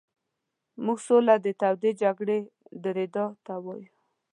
موږ سوله د تودې جګړې درېدا ته وایو.